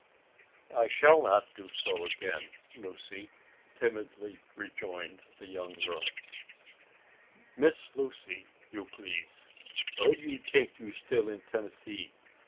"I shall not do so again, Lucy," timidly rejoined the young girl. "Miss Lucy, you please. Don't you tink you still in Tennessee!